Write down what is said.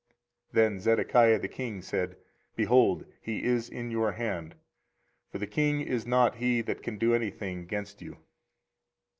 24:038:005 Then Zedekiah the king said, Behold, he is in your hand: for the king is not he that can do any thing against you.